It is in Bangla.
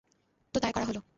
তো তাই করা হলো।